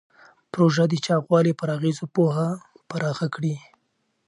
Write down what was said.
پروژه د چاغوالي پر اغېزو پوهه پراخه کړې.